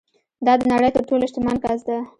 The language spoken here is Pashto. دا د نړۍ تر ټولو شتمن کس ده